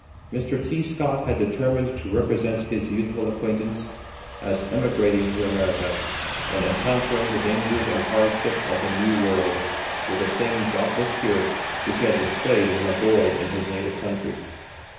Mr. T. Scott had determined to represent his youthful acquaintance as emigrating to America, and encountering the dangers and hardships of the New World, with the same dauntless spirit which he had displayed when a boy in his native country.